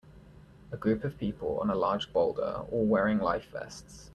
A group of people on a large boulder all wearing life vests.